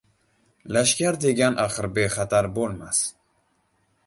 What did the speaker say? Lashkar degan axir bexatar bo‘lmas